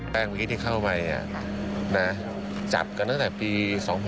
เมื่อกี้ที่เข้าไปจับกันตั้งแต่ปี๒๕๖๒